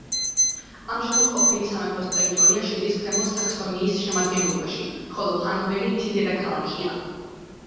ამჟამად ყოფილი სამეფოს ტერიტორია შედის ქვემო საქსონიის შემადგენლობაში, ხოლო ჰანოვერი მისი დედაქალაქია.